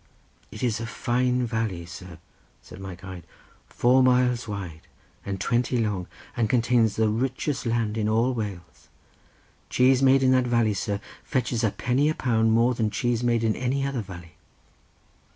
"It is a fine valley, sir," said my guide, "four miles wide and twenty long, and contains the richest land in all Wales. Cheese made in that valley, sir, fetches a penny a pound more than cheese made in any other valley."